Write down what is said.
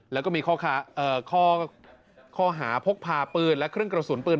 แล้วก็มีข้อหาพกพาปืนและเครื่องกระสุนปืน